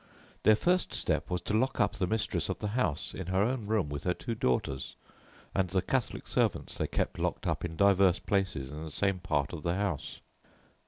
"Their first step was to lock up the mistress of the house in her own room with her two daughters, and the Catholic servants they kept locked up in divers places in the same part of the house.